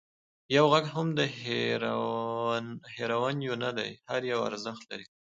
یو غږ هم د هېروانیو نه دی، هر یو ارزښت لري.